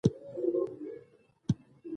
هندوکش کې د پرمختګ هڅې روانې دي.